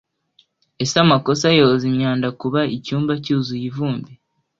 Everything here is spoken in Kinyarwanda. Ese amakosa yoza imyanda kuba icyumba cyuzuye ivumbi